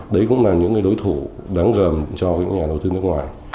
đấy cũng là những đối thủ đáng rờm cho những nhà đầu tư nước ngoài